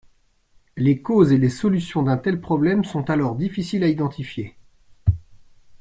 Les causes et les solutions d'un tel problème sont alors difficiles à identifier.